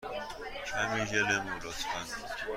کمی ژل مو، لطفا.